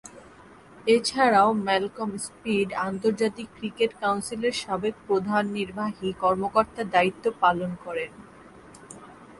এছাড়াও Malcolm Speed আন্তর্জাতিক cricket কাউন্সিলের সাবেক প্রধান নির্বাহী কর্মকর্তার দায়িত্ব পালন করেন।